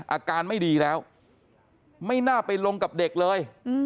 อาการไม่ดีแล้วไม่น่าไปลงกับเด็กเลย